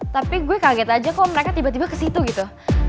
tapi gue kaget aja kok mereka tiba tiba ke situ gitu